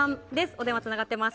お電話つながっています